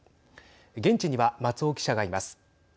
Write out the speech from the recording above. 現地には松尾記者がいます。